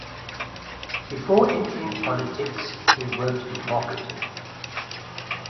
Before entering politics, he worked in marketing.